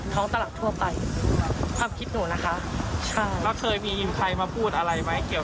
ตลาดทั่วไปความคิดหนูนะคะใช่แล้วเคยมีใครมาพูดอะไรไหมเกี่ยว